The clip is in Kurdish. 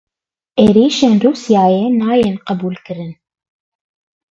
Êrişên Rûsyayê nayên qebûlkirin.